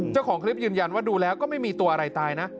เจ้าของคลิปยืนยันว่าดูแล้วก็ไม่มีตัวอะไรตายนะ